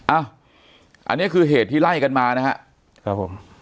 อันนี้คือเหตุที่ไล่กันมานะครับผม